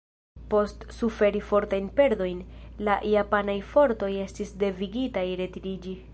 Post suferi fortajn perdojn, la japanaj fortoj estis devigitaj retiriĝi.